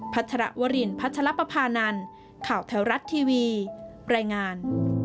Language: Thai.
พัทรวรินพัทรลัพพานันข่าวแถวรัตน์ทีวีแปรงาน